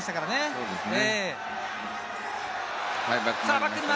そうですね。